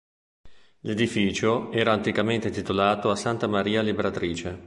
L'edificio era anticamente intitolato a Santa Maria Liberatrice.